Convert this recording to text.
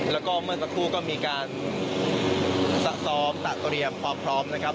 แล้วก็เมื่อสักครู่ก็มีการสะซ้อมตะเตรียมความพร้อมนะครับ